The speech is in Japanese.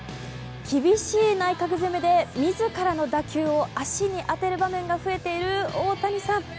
厳しい内角攻めで自らの打球を足に当てる場面が増えている大谷さん。